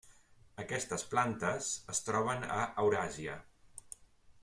Aquestes plantes es troben a Euràsia.